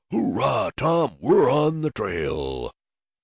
Hurrah, Tom, we're on the trail!"